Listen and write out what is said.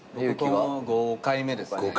僕も５回目ですね。